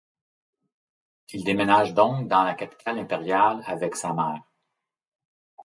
Il déménage donc dans la capitale impériale avec sa mère.